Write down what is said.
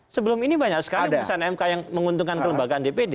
sebelum ini banyak sekali putusan mk yang menguntungkan kelembagaan dpd